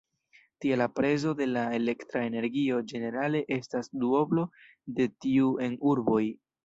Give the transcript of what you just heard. Tie la prezo de elektra energio ĝenerale estas duoblo de tiu en urboj.